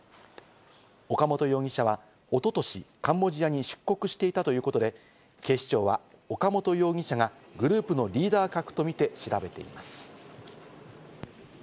岡本容疑者は一昨年、カンボジアに出国していたということで、警視庁は岡本容疑者がグループのリーダー格とみて調べています。